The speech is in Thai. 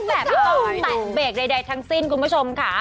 ตัดเบกแต่ไดดทั้งสิ้นคุณผู้ชมค่ะ